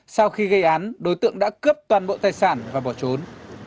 sau khi gây án đối tượng đã cướp toàn bộ tài sản và bỏ trốn